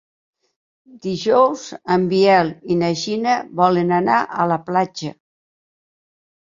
Dijous en Biel i na Gina volen anar a la platja.